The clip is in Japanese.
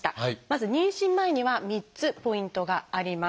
まず妊娠前には３つポイントがあります。